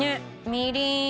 みりん。